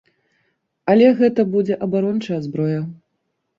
Але гэта будзе абарончая зброя.